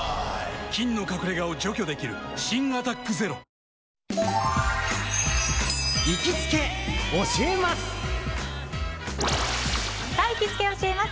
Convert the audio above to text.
菌の隠れ家を除去できる新「アタックＺＥＲＯ」行きつけ教えます！